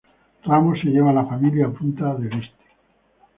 Ramos se llevó a la familia a Punta del Este.